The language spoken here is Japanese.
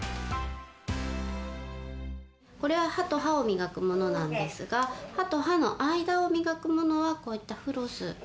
これは歯と歯をみがくものなんですが歯と歯の間をみがくものはこういったフロス。